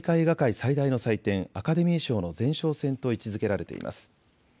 最大の祭典、アカデミー賞の前哨戦と位置づけられています。